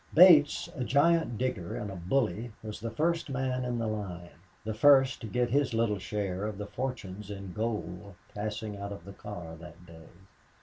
Bates, a giant digger and a bully, was the first man in the line, the first to get his little share of the fortunes in gold passing out of the car that day.